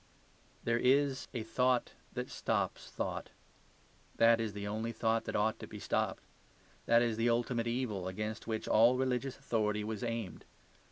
There is a thought that stops thought. That is the only thought that ought to be stopped. That is the ultimate evil against which all religious authority was aimed.